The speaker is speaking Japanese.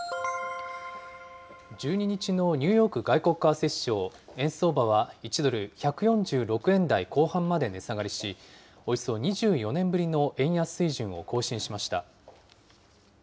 １２日のニューヨーク外国為替市場、円相場は１ドル１４６円台後半まで値下がりし、およそ２４年ぶりの円安水準を更新しました。